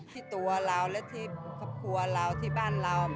ที่ตัวเราและที่ครอบครัวเราที่บ้านเรา